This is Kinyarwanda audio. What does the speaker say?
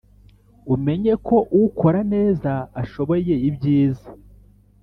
umenye ko ukora neza ashoboye ibyiza